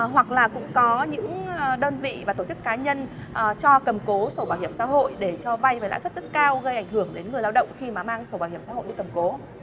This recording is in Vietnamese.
hoặc là cũng có những đơn vị và tổ chức cá nhân cho cầm cố sổ bảo hiểm xã hội để cho vay với lãi suất rất cao gây ảnh hưởng đến người lao động khi mà mang sổ bảo hiểm xã hội đi cầm cố